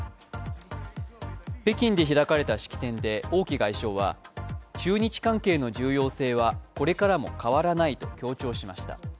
北京で開かれた式典で王毅外相は中日関係の重要性はこれからも変わらないと強調しました。